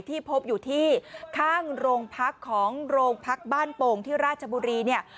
ที่พบอยู่ที่ข้างโรงพักของโรงพักบ้านโป่งที่ราชบุรีเนี่ย